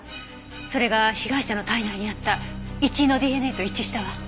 それが被害者の体内にあったイチイのＤＮＡと一致したわ。